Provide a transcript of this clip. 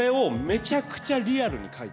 めちゃくちゃリアル。